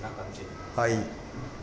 はい。